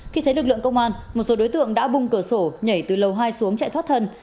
khi thấy lực lượng công an một số đối tượng đã bung cửa sổ nhảy từ lầu hai xuống chạy thoát thân